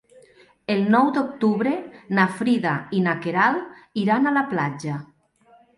El nou d'octubre na Frida i na Queralt iran a la platja.